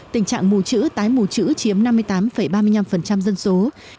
tình trạng mù chữ tái mù chữ chiếm năm mươi tám ba mươi năm dân số